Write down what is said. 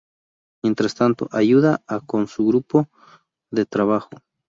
Mientras tanto, ayuda a con su grupo de trabajo.